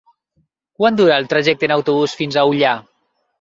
Quant dura el trajecte en autobús fins a Ullà?